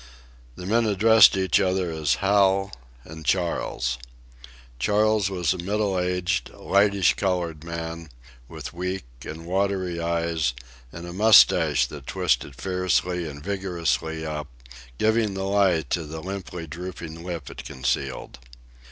The men addressed each other as "Hal" and "Charles." Charles was a middle aged, lightish colored man, with weak and watery eyes and a mustache that twisted fiercely and vigorously up, giving the lie to the limply drooping lip it concealed.